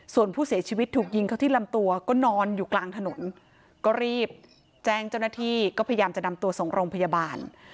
ส่วนผู้เสียชีวิตถูกยิงเขาที่ลำตัวก็นอนอยู่กลางถนนก็รีบแจ้งเจ้าหน้าที่ก็พยายามจะนำตัวส่งโรงพยาบาล